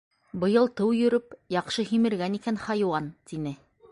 Быйыл тыу йөрөп яҡшы һимергән икән хайуан, — тине.